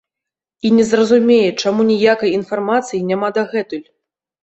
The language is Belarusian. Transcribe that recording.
І не зразумее, чаму ніякай інфармацыя няма дагэтуль.